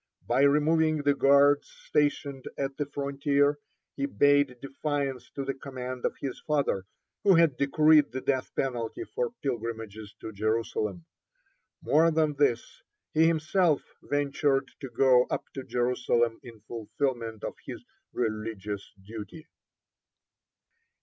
By removing the guards stationed at the frontier, he bade defiance to the command of his father, who had decreed the death penalty for pilgrimages to Jerusalem. More than this, he himself ventured to go up to Jerusalem in fulfilment of his religious duty.